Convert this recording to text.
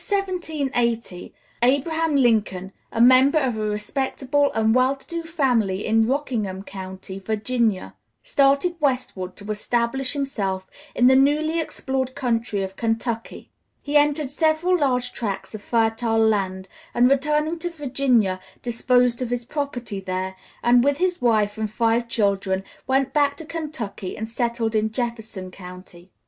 ] In the year 1780, Abraham Lincoln, a member of a respectable and well to do family in Rockingham County, Virginia, started westward to establish himself in the newly explored country of Kentucky. He entered several large tracts of fertile land, and returning to Virginia disposed of his property there, and with his wife and five children went back to Kentucky and settled in Jefferson County.